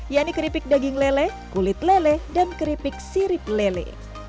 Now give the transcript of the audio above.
yaitu keripik daging lele kulit lele dan keripik sirip lele